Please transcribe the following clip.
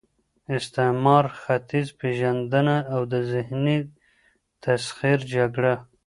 استعمار، ختیځ پېژندنه او د ذهني تسخیر جګړه